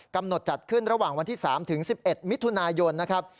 จัดขึ้นระหว่างวันที่๓ถึง๑๑มิถุนายนนะครับ